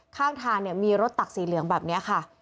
ข้างทางเนี่ยมีรถตักสีเหลืองแบบนี้ค่ะ